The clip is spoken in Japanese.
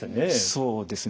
そうですね。